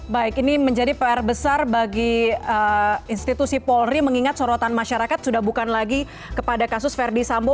baik ini menjadi pr besar bagi institusi polri mengingat sorotan masyarakat sudah bukan lagi kepada kasus verdi sambo